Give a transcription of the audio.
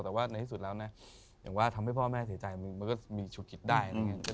แต่ว่าในที่สุดแล้วนะอย่างว่าทำให้พ่อแม่เศร้าใจมันก็มีชุดคิดได้